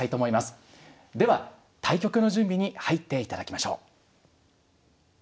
では対局の準備に入っていただきましょう。